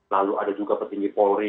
lalu ada juga petinggi polri